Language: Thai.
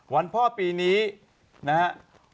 วันพ่อปีนี้นะฮะ